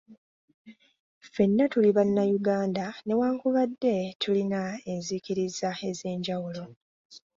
Ffenna tuli bannayuganda newankubadde tulina enzikiriza ez'enjawulo.